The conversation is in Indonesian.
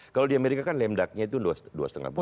kalau di amerika kan lemdaknya itu dua lima bulan